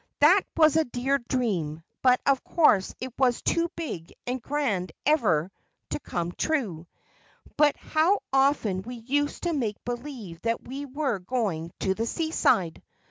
"That was a dear dream, but of course it was too big and grand ever to come true. But how often we used to make believe that we were going to the seaside!